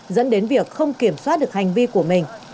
dẫn đến việc không kiểm soát được hành vi của mình